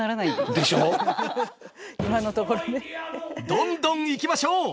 どんどんいきましょう！